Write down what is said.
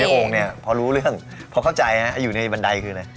เดี๋ยวอยู่ในโอ่งเนี่ยพอรู้เรื่องพอเข้าใจนะอยู่ในบันไดคืออะไร